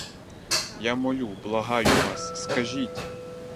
Я молю, благаю вас, скажіть!